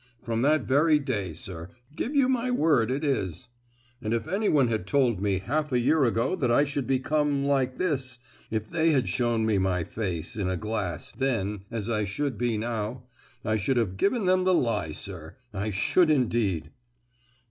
From that very day, sir; give you my word it is! And if anyone had told me half a year ago that I should become like this,—if they had shown me my face in a glass then as I should be now, I should have given them the lie, sir; I should indeed!"